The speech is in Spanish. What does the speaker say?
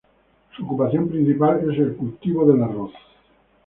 Su ocupación principal es el cultivo del arroz.